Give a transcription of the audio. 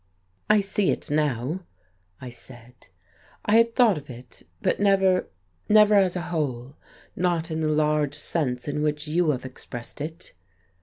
"I see it now," I said. "I had thought of it, but never never as a whole not in the large sense in which you have expressed it."